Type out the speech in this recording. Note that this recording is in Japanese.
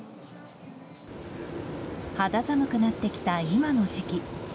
肌寒くなってきた今の時期